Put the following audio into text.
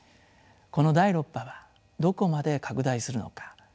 この第６波はどこまで拡大するのか